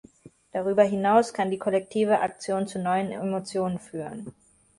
Darüber hinaus kann die kollektive Aktion zu neuen Emotionen führen.